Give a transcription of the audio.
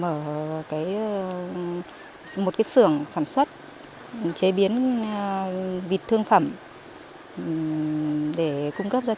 mở rộng phát triển chăn nuôi mở một sưởng sản xuất chế biến vịt thương phẩm để cung cấp gia đình